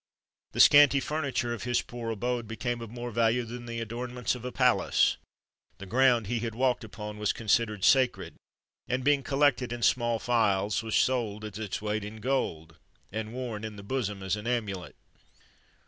The scanty furniture of his poor abode became of more value than the adornments of a palace; the ground he had walked upon was considered sacred, and, being collected in small phials, was sold at its weight in gold, and worn in the bosom as an amulet.